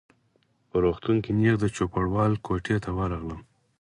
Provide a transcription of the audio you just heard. په روغتون کي نیغ د چوپړوال کوټې ته ورغلم.